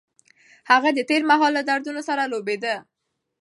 هغه د تېر مهال له دردونو سره لوبېده.